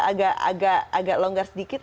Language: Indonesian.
agak longgar sedikit